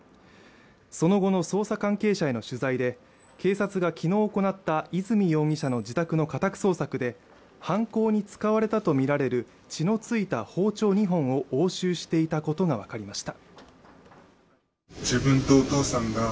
その後の捜査関係者への取材で警察が昨日行った泉容疑者の自宅の家宅捜索で犯行に使われたとみられる血のついた包丁２本を押収していたことが分かりました